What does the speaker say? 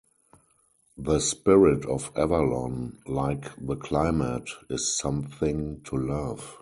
The spirit of Avalon, like the climate, is something to love.